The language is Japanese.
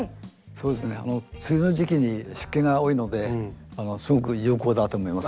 そうですね梅雨の時期に湿気が多いのですごく有効だと思います。